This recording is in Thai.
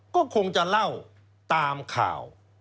ก็คงจะเล่าตามข่าว